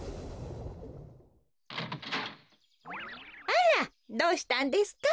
あらどうしたんですか？